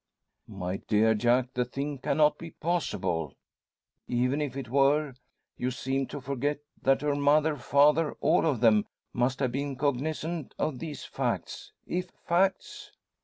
"My dear Jack, the thing cannot be possible. Even if it were, you seem to forget that her mother, father all of them must have been cognisant of these facts if facts?"